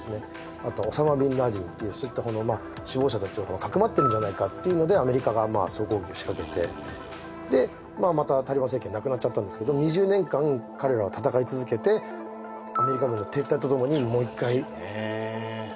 あとウサマ・ビンラディンっていう首謀者達をかくまっているんじゃないかっていうのでアメリカが総攻撃を仕掛けてでまたタリバン政権なくなっちゃったんですけど２０年間彼らは戦い続けてアメリカ軍の撤退とともにもう一回そうなんですよね